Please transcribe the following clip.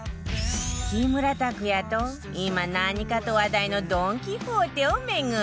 木村拓哉と今何かと話題のドン・キホーテを巡る